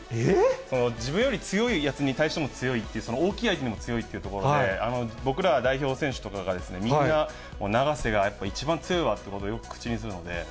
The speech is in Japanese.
その、自分より強いやつに対しても強いっていう、その大きい相手にも強いということで、僕ら、代表選手とかが、みんな、永瀬がやっぱり一番強いわということで、よく口にするので。